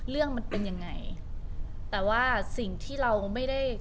เรื่องมันเป็นยังไงแต่ว่าสิ่งที่เราไม่ได้